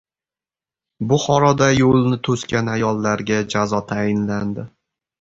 Buxoroda yo‘lni to‘sgan ayollarga jazo tayinlandi